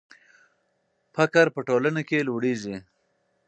فقر په ټولنه کې لوړېږي.